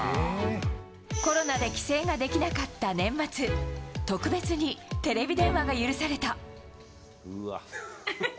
コロナで帰省ができなかった年末、特別にテレビ電話が許された。